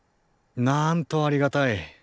なんとありがたい。